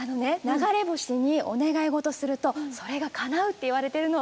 流れ星にお願い事するとそれがかなうっていわれてるの。